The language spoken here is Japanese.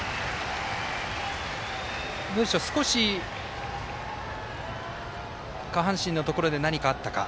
少し、下半身のところで何かあったか。